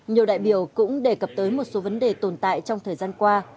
nhiều đại biểu cũng đề cập tới một số vấn đề tồn tại trong thời gian qua